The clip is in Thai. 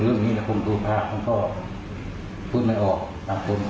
เพื่อที่จะไปดูแลผู้สุนเสียครับ